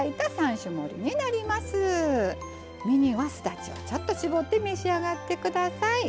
身にはすだちをちょっと搾って召し上がってください。